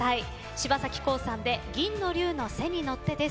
柴咲コウさんで「銀の龍の背に乗って」です。